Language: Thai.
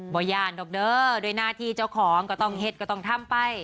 อย่านหรอกเด้อด้วยหน้าที่เจ้าของก็ต้องเห็ดก็ต้องทำไป